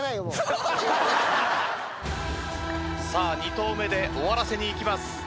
さあ２投目で終わらせにいきます。